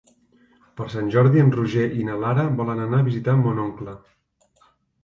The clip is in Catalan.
Per Sant Jordi en Roger i na Lara volen anar a visitar mon oncle.